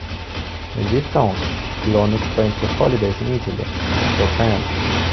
In this song, Ilona explains her holidays in Italy, with her friends.